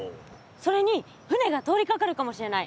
それに船が通りかかるかもしれない。